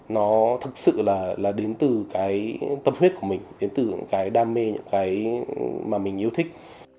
nó thực sự là đến từ cái tâm huyết của mình đến từ cái đam mê những cái mà mình yêu thích